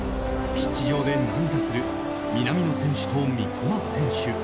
ピッチ上で涙する南野選手と三笘選手。